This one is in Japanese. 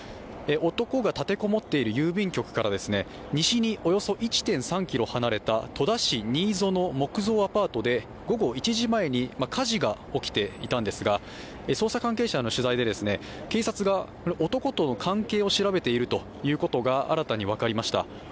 男が立て籠もっている郵便局から西におよそ１．３ｋｍ離れた戸田市新曽の木造アパートで午後１時前に火事が起きていたんですが、捜査関係者の取材で、警察が男との関係を調べているということが新たに分かりました。